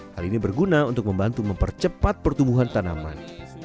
hal ini berguna untuk membantu mempercepat pertumbuhan tanaman